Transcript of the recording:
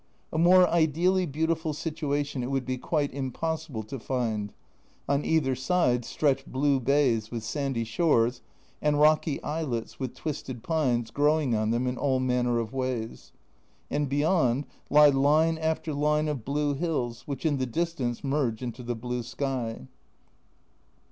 A more ideally beautiful situation it would be quite impossible to find : on either side stretch blue bays with sandy shores, and rocky islets with twisted pines growing on them in all manner of ways, and beyond lie line after line of blue hills, which in the distance merge into the blue sky.